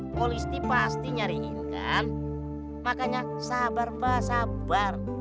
polisi pasti nyariin kan makanya sabar mbah sabar